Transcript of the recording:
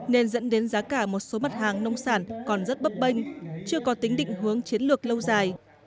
nên dẫn đến giá cả một số mặt hàng nông sản còn rất bấp bênh chưa có tính định hướng chiến lược lâu dài